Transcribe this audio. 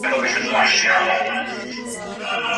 د دین خبرې ښځو ته رسول سنت دی.